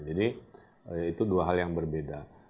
jadi itu dua hal yang berbeda